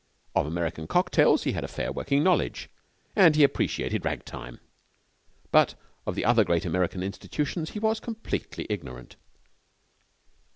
Of American cocktails he had a fair working knowledge, and he appreciated ragtime. But of the other great American institutions he was completely ignorant.